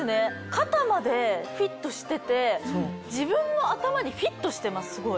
肩までフィットしてて自分の頭にフィットしてますすごい。